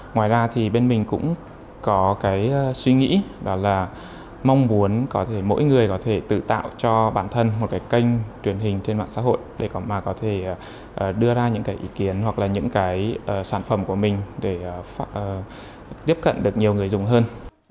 ngoài ra thì bên mình cũng có cái suy nghĩ đó là mong muốn có thể mỗi người có thể tự tạo cho bản thân một cái kênh truyền hình trên mạng xã hội để mà có thể đưa ra những cái ý kiến hoặc là những cái sản phẩm của mình để tiếp cận được nhiều người dùng hơn